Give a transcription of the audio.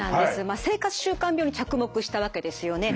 まあ生活習慣病に着目したわけですよね。